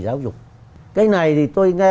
giáo dục cái này thì tôi nghe